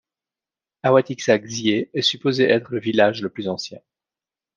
Awatixa Xi’e est supposé être le village le plus ancien.